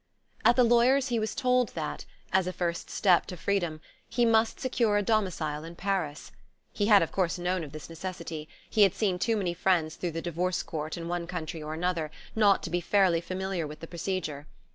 At the lawyer's he was told that, as a first step to freedom, he must secure a domicile in Paris. He had of course known of this necessity: he had seen too many friends through the Divorce Court, in one country or another, not to be fairly familiar with the procedure.